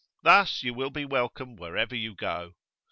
Thus you will be welcome wherever you go.